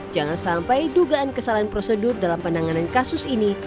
jangan sampai dugaan kesalahan prosedur dalam penanganan kasus ini